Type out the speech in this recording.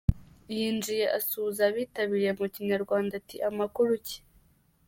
Yinjiye asuhuza abitabiriye mu Kinyarwanda ati “Amakuru ki?